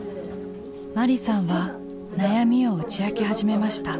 まりさんは悩みを打ち明け始めました。